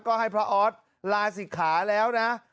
ก็ให้พระออสลาศิกขาแล้วนะ